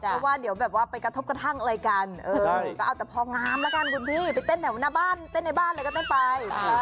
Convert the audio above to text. เพราะว่าเดี๋ยวแบบว่าไปกระทบกระทั่งอะไรกันก็เอาแต่พองามแล้วกันคุณพี่ไปเต้นแถวหน้าบ้านเต้นในบ้านอะไรก็เต้นไป